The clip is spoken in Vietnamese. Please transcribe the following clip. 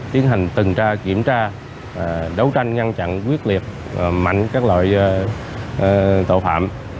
tiến hành tuần tra kiểm tra đấu tranh ngăn chặn quyết liệt mạnh các loại tội phạm